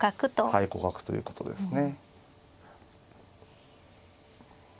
はい互角ということですね。